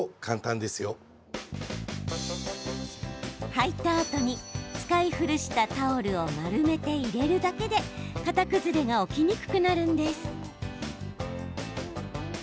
履いたあとに使い古したタオルを丸めて入れるだけで型崩れが起こりにくくなるんです。